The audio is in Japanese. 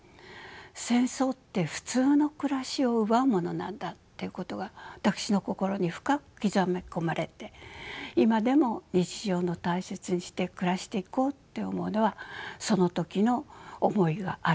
戦争って普通の暮らしを奪うものなんだっていうことが私の心に深く刻み込まれて今でも日常を大切にして暮らしていこうって思うのはその時の思いがあるからです。